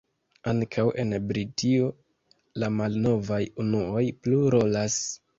Ankaŭ en Britio la malnovaj unuoj plu rolas.